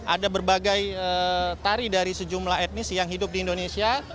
ada berbagai tari dari sejumlah etnis yang hidup di indonesia